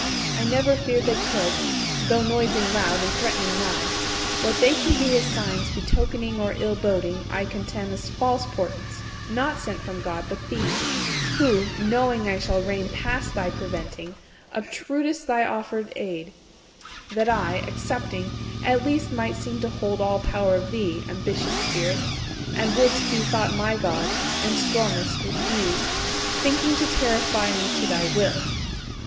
I never feared they could, though noising loud And threatening nigh: what they can do as signs Betokening or ill boding I contemn 490 As false portents, not sent from God, but thee; Who, knowing I shall reign past thy preventing, Obtrud'st thy offered aid, that I, accepting, At least might seem to hold all power of thee, Ambitious Spirit! and would'st be thought my God; And storm'st, refused, thinking to terrify Me to thy will!